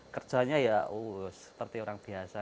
kerjanya ya uh seperti orang biasa